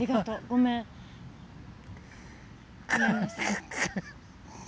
ごめんなさい。